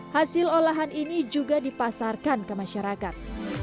hasil olahan ini juga dipasarkan ke masyarakat